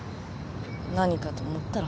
何かと思ったら。